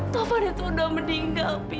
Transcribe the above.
taufan itu udah meninggal pi